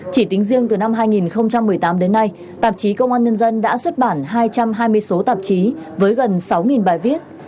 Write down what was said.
chỉ tính riêng từ năm hai nghìn một mươi tám đến nay tạp chí công an nhân dân đã xuất bản hai trăm hai mươi số tạp chí với gần sáu bài viết